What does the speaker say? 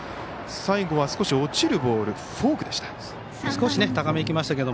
最後は少し落ちるボールフォークでした。